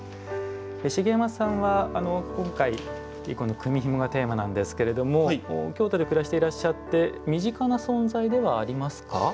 茂山さんは今回組みひもがテーマなんですけれども京都で暮らしていらっしゃって身近な存在ではありますか？